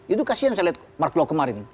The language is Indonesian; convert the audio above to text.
itu kasihan saya lihat mark klok kemarin